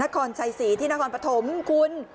นคลไฉศรีที่นคลปธมคุณ